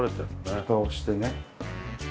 蓋をしてね。